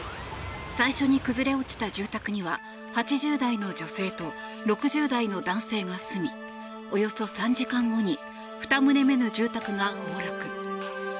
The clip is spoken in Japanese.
最初に崩れ落ちた住宅には８０代の女性と６０代の男性が住みおよそ３時間後に２棟目の住宅が崩落。